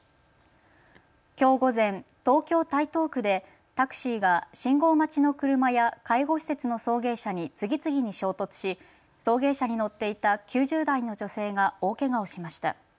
きょう午前、東京台東区でタクシーが信号待ちの車や介護施設の送迎車に次々に衝突し送迎車に乗っていた９０代の女性が大けがをしました。